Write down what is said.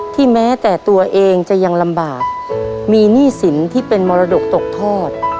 แม้แต่ตัวเองจะยังลำบากมีหนี้สินที่เป็นมรดกตกทอด